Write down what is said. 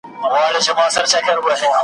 ارام ژوند به وکړو